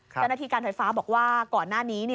การณ์นาธิการไฟฟ้าบอกว่าก่อนหน้านี้